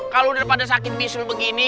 kalau daripada sakit bisul begini